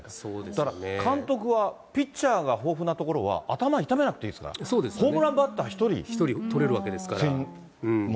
だから監督はピッチャーが豊富なところは頭痛めなくていいですか取れるわけですから。